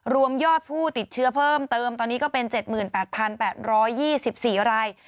รวมยอดผู้ติดเชื้อเพิ่มเติมตอนนี้ก็เป็น๗๘๘๒๔ราย